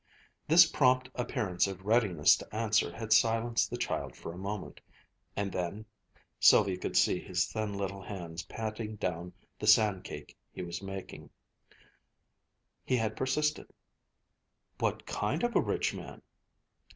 This prompt appearance of readiness to answer had silenced the child for a moment: and then (Sylvia could see his thin little hands patting down the sand cake he was making) he had persisted, "What kind of a rich man?"